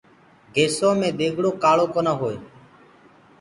گيسو مي ديگڙو ڪآݪو ڪونآ هوئي۔